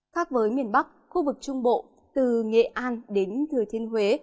khác với miền bắc khu vực trung bộ từ nghệ an đến thừa thiên huế